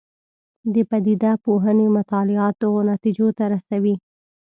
د پدیده پوهنې مطالعات دغو نتیجو ته رسوي.